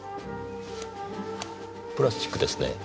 プラスチックですねぇ。